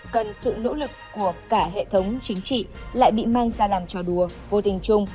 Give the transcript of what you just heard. cần sự nỗ lực của cả hệ thống chính trị lại bị mang ra làm trò đùa vô tình chung